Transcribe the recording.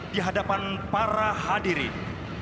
di hadapan para hadirin